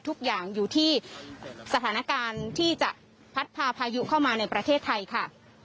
ทุกอย่างอยู่ที่สถานการณ์ที่จะพัดพาพายุเข้ามาในประเทศไทยค่ะ